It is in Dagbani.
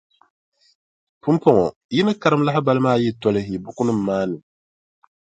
Pumpɔŋɔ, yi ni karim lahibali maa yi toli yi bukunima maa ni.